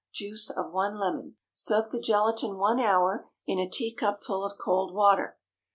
Juice of one lemon. Soak the gelatine one hour in a teacupful of cold water.